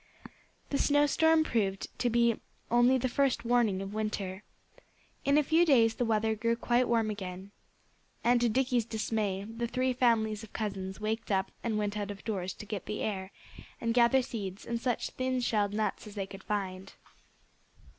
That snowstorm proved to be only the first warning of winter. In a few days the weather grew quite warm again. And to Dickie's dismay the three families of cousins waked up and went out of doors to get the air, and gather seeds and such thin shelled nuts as they could find.